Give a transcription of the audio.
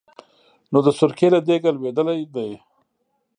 نو د سرکې له دېګه لوېدلی دی.